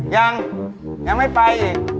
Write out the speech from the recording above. ยังยังไม่ไป